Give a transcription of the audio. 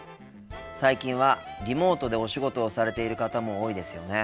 最近はリモートでお仕事をされている方も多いですよね。